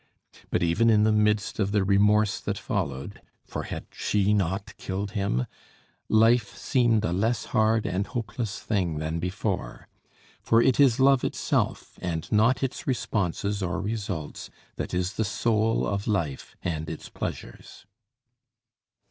But even in the midst of the remorse that followed for had she not killed him? life seemed a less hard and hopeless thing than before. For it is love itself and not its responses or results that is the soul of life and its pleasures.